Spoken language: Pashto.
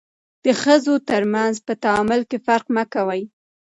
د ښځو ترمنځ په تعامل کې فرق مه کوئ.